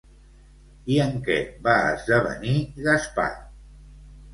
I en què va esdevenir Gaspar?